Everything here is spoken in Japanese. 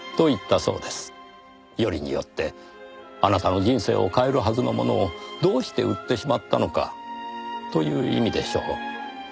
よりによってあなたの人生を変えるはずのものをどうして売ってしまったのか？という意味でしょう。